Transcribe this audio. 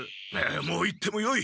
もう行ってもよい。